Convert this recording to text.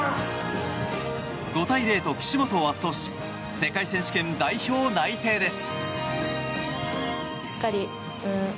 ５対０と岸本を圧倒し世界選手権代表内定です。